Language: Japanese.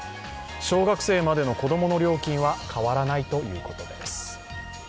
小学生までの子供の料金は変わらないということです。